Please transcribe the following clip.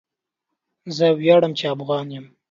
زه وياړم چي افغان یم